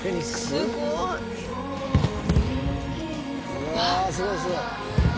すごい。うわすごいすごい。